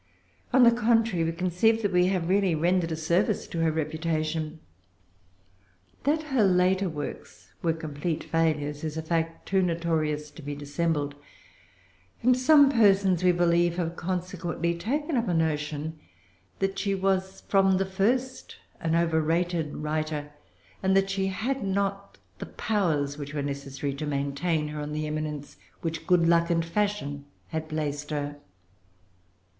On the contrary, we conceive that we have really rendered a service to her reputation. That her later works were complete failures is a fact too notorious to be dissembled; and some persons, we believe, have consequently taken up a notion that she was from the first an overrated writer, and that she had not the powers which were necessary to maintain her on the eminence on which good luck and fashion had placed her.